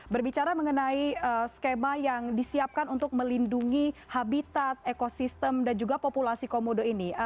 berbicara mengenai skema yang disiapkan untuk melindungi habitat ekosistem dan juga populasi komodo ini